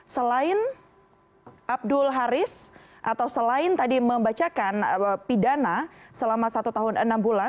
selain abdul haris atau selain tadi membacakan pidana selama satu tahun enam bulan